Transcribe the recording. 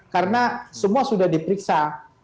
karena semua sudah diperiksa